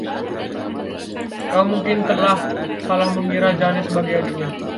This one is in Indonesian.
Kau mungkin telah salah mengira Jane sebagai adiknya.